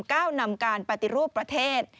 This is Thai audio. ก้าวนำการปฏิรูปประเทศ